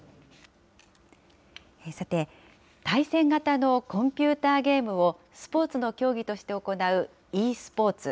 さて、対戦型のコンピューターゲームをスポーツの競技として行う、ｅスポーツ。